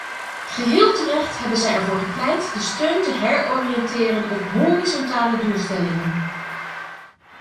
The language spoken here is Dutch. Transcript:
Geheel terecht hebben zij ervoor gepleit de steun te heroriënteren op horizontale doelstellingen.